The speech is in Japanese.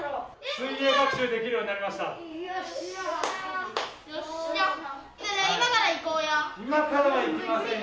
水泳学習できるようになりまよっしゃ！